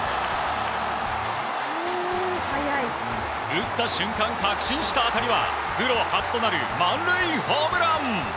打った瞬間、確信した当たりはプロ初となる満塁ホームラン！